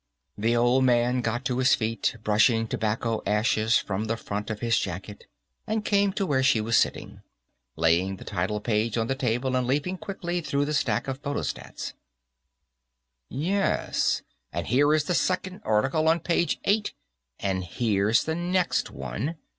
The old man got to his feet, brushing tobacco ashes from the front of his jacket, and came to where she was sitting, laying the title page on the table and leafing quickly through the stack of photostats. "Yes, and here is the second article, on page eight, and here's the next one."